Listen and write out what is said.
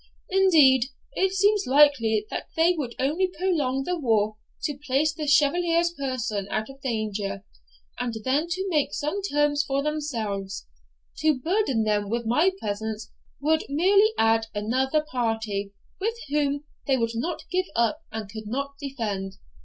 Indeed, it seems likely that they only prolong the war to place the Chevalier's person out of danger, and then to make some terms for themselves. To burden them with my presence would merely add another party, whom they would not give up and could not defend.